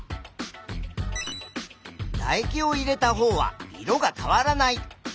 だ液を入れたほうは色が変わらない。